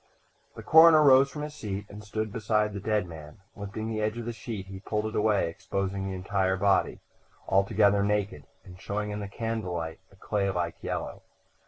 III The coroner rose from his seat and stood beside the dead man. Lifting an edge of the sheet he pulled it away, exposing the entire body, altogether naked and showing in the candle light a clay like yellow.